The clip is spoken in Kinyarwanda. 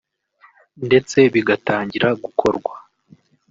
ndetse bigatangira gukorwa